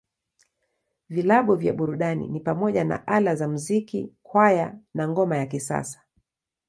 Vilabu vya burudani ni pamoja na Ala za Muziki, Kwaya, na Ngoma ya Kisasa.